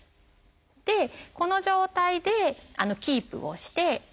でこの状態でキープをして。